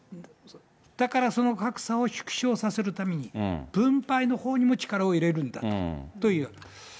だからその格差を縮小させるために、分配のほうにも力を入れるんだというわけです。